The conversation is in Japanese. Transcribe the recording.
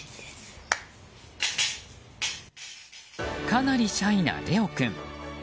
かなりシャイな怜央君。